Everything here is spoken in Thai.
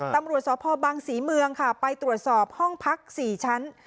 ตำรวจสพบังศรีเมืองค่ะไปตรวจสอบห้องพัก๔ชั้น